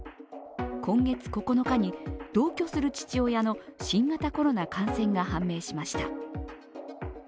今月９日に同居する父親の新型コロナ感染が判明しました。